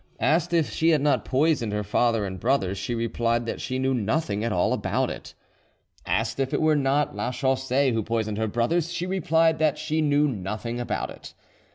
Asked if she had not poisoned her father and brothers, she replied that she knew nothing at all about it. Asked if it were not Lachaussee who poisoned her brothers, she replied that she knew nothing about it.